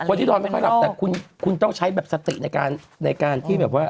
คนที่นอนไม่ค่อยหลับแต่คุณต้องใช้สติในการที่แบบว่า